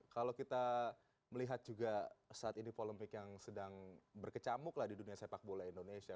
kalau kita melihat juga saat ini polemik yang sedang berkecamuk lah di dunia sepak bola indonesia